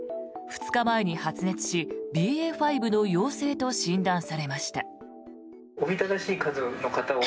２日前に発熱しＢＡ．５の陽性と診断されました。